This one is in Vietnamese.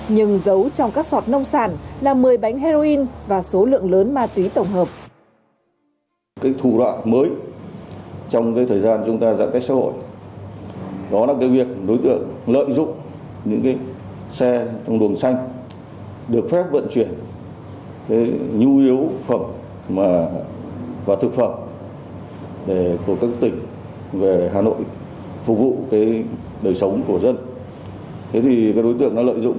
nhưng giấu trong các sọt nông sản là một mươi bánh heroin và số lượng lớn ma túy tổng hợp